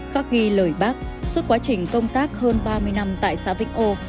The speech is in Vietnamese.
khắc ghi lời bác suốt quá trình công tác hơn ba mươi năm tại xã vĩnh âu